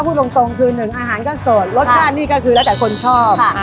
พูดตรงคือหนึ่งอาหารก็สดรสชาตินี่ก็คือแล้วแต่คนชอบ